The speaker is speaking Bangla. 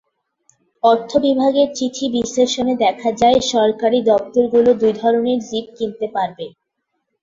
অর্থ বিভাগের চিঠি বিশ্লেষণে দেখা যায়, সরকারি দপ্তরগুলো দুই ধরনের জিপ কিনতে পারবে।